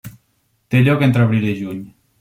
Té lloc entre abril i juny.